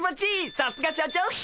さすが社長っす！